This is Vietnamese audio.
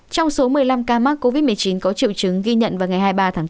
trong số một mươi năm ca mắc covid một mươi chín có triệu chứng ghi nhận vào ngày hai mươi ba tháng bốn